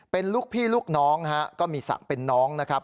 เป็นลูกพี่ลูกน้องก็มีศักดิ์เป็นน้องนะครับ